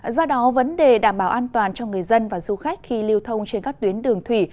do đó vấn đề đảm bảo an toàn cho người dân và du khách khi lưu thông trên các tuyến đường thủy